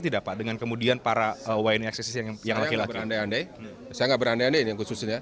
bapak komjen paul soehardi alius